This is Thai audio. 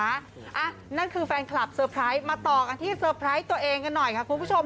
นั่นคือแฟนคลับเซอร์ไพรส์มาต่อกันที่เซอร์ไพรส์ตัวเองกันหน่อยค่ะคุณผู้ชม